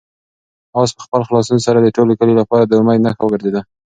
آس په خپل خلاصون سره د ټول کلي لپاره د امید نښه وګرځېده.